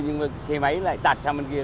nhưng mà xe máy lại tạt xa bên kia